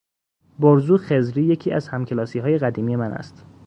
برزو خضری یکی از همکلاسیهای قدیمی من است.